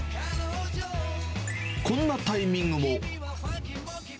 こんなタイミングも。